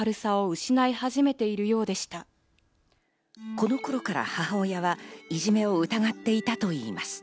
この頃から母親はいじめを疑っていたといいます。